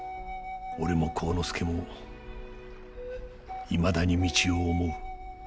俺も晃之助もいまだに三千代を思う。